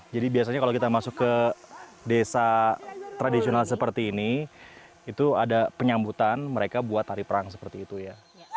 jadi biasanya kalau kita masuk ke desa tradisional seperti ini itu ada penyambutan mereka buat tari perang seperti itu ya